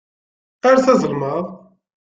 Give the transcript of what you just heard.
Err s azelmaḍ.